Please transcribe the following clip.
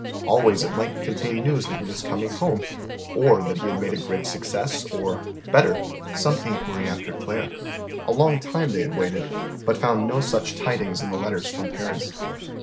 Always it might contain news that he was coming home, or that he had made a great success, or, better, some inquiry after Claire. A long time they had waited, but found no such tidings in the letters from Paris.